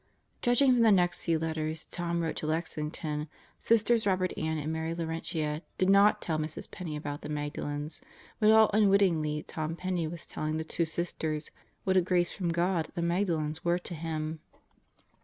Judging from the next few letters Tom wrote to Lexington, Sisters Robert Ann and Mary Laurentia did not tell Mrs. Penney about the Magdalens; but all unwittingly Tom Penney was telling the two Sisters what a grace from God the Magdalens were to him.